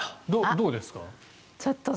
どうですか？